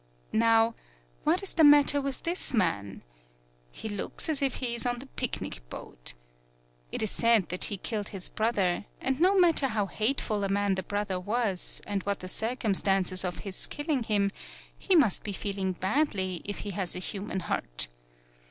Now, what is the matter with this man? He looks as if he is on the picnic boat. It is said that he killed his brother, and no matter how hateful a man the brother was, and what the circumstances of his killing him, he must be feeling badly if he has a human heart.